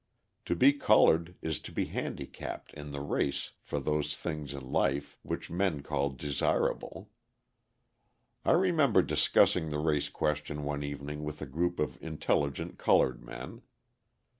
To be coloured is to be handicapped in the race for those things in life which men call desirable. I remember discussing the race question one evening with a group of intelligent coloured men.